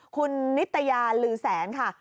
คุณนิตยาลือแสนค่ะ